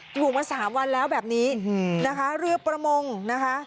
ถูกมาสามวันแล้วแบบนี้นะคะเรือประมงนะคะ